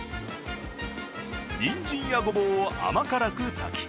にんじんやごぼうを甘辛く炊き